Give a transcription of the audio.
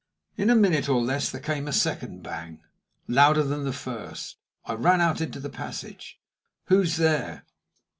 In a minute or less there came a second bang, louder than the first. I ran out into the passage. "Who's there?"